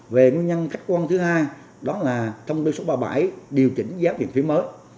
về nguyên nhân khách quân thứ hai đó là thông tuyến số ba mươi bảy điều chỉnh giáo viện phí mới